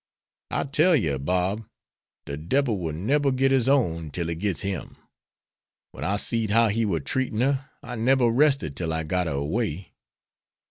"I tell you, Bob, de debil will neber git his own till he gits him. When I seed how he war treating her I neber rested till I got her away.